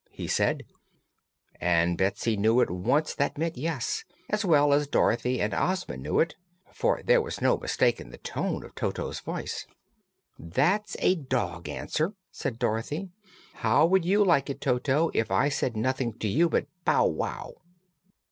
he said, and Betsy knew at once that meant yes, as well as Dorothy and Ozma knew it, for there was no mistaking the tone of Toto's voice. "That's a dog answer," said Dorothy. "How would you like it, Toto, if I said nothing to you but 'bow wow'?"